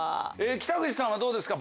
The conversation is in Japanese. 北口さんはどうですか？